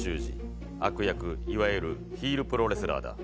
悪役いわゆるヒールプロレスラーだ。